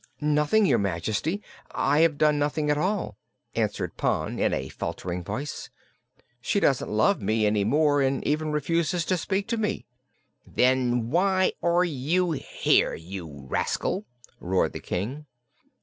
"Nothing, your Majesty! I have done nothing at all," answered Pon in a faltering voice. "She does not love me any more and even refuses to speak to me." "Then why are you here, you rascal?" roared the King.